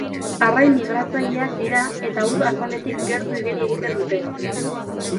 Arrain migratzaileak dira eta ur azaletik gertu igeri egiten dute.